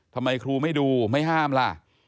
ทำไมครูไม่ดูไม่ห้ามล่ะ